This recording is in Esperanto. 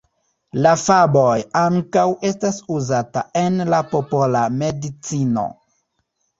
La faboj ankaŭ estas uzata en la popola medicino.